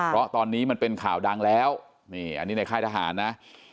เพราะตอนนี้มันเป็นข่าวดังแล้วนี่อันนี้ในค่ายทหารนะ